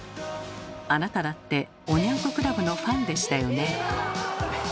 あなただっておニャン子クラブのファンでしたよね？